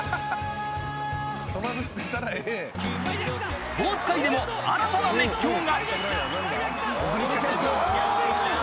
［スポーツ界でも新たな熱狂が］